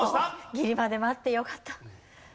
ギリまで待ってよかった。